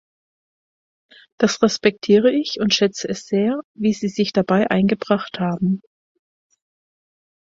Das respektiere ich und schätze es sehr, wie Sie sich dabei eingebracht haben.